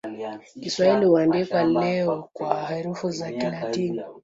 Kiswahili huandikwa leo kwa herufi za Kilatini.